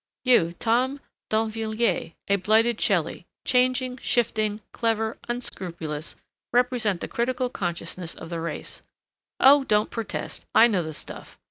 You, Tom d'Invilliers, a blighted Shelley, changing, shifting, clever, unscrupulous, represent the critical consciousness of the race—Oh, don't protest, I know the stuff.